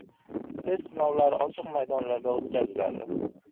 Test sinovlari ochiq maydonlarda o‘tkaziladi